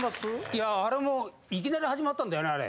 いやあれもいきなり始まったんだよねあれ。